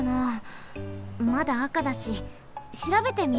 まだあかだししらべてみようかな。